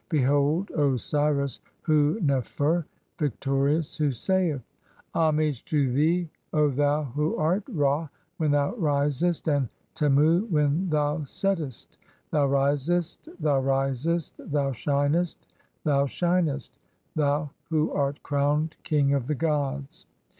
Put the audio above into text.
Behold Osiris, Hu nefer, (3) victorious, who saith :— "Homage to thee, O thou who art Ra when thou risest (4) and "Temu when thou settest. Thou risest, thou risest, thou shinest, "thou shinest, (5) thou who art crowned king of the gods.